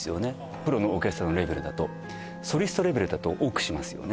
プロのオーケストラのレベルだとソリストレベルだと億しますよね